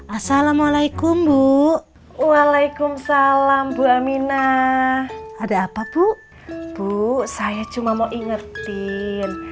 assalamualaikum bu waalaikumsalam bu amina ada apa bu bu saya cuma mau ingetin